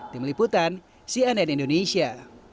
di meliputan cnn indonesia